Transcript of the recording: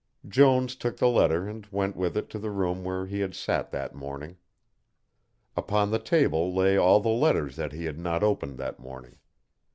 Jones took the letter and went with it to the room where he had sat that morning. Upon the table lay all the letters that he had not opened that morning.